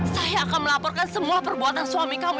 saya akan melaporkan semua perbuatan suami kamu